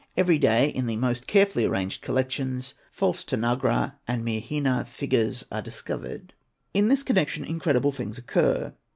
Every day, in the most carefully arranged collections, false Tanagra and Myrrhina figures are discovered. In this connection incredible things occur.